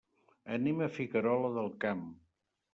Anem a Figuerola del Camp.